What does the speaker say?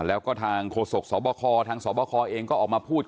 แล้วก็ทางโฆษกสทางสติวคอเองก็ออกมาพูดคุย